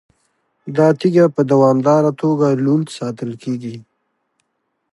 دا تیږه په دوامداره توګه لوند ساتل کیږي.